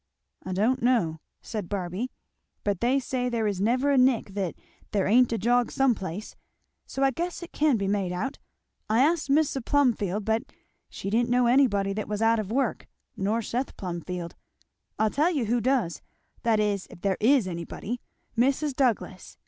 "I don't know," said Barby; "but they say there is never a nick that there ain't a jog some place; so I guess it can be made out. I asked Mis' Plumfield, but she didn't know anybody that was out of work; nor Seth Plumfield. I'll tell you who does, that is, if there is anybody, Mis' Douglass.